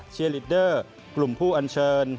เชียร์ลีดเดอร์กลุ่มผู้อัญชล